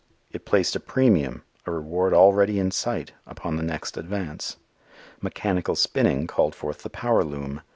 It placed a premium a reward already in sight upon the next advance. Mechanical spinning called forth the power loom.